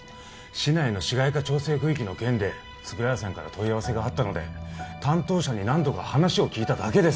市内の市街化調整区域の件で円谷さんから問い合わせがあったので担当者に何度か話を聞いただけです